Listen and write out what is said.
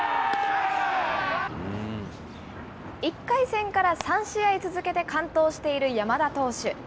１回戦から３試合続けて完投している山田投手。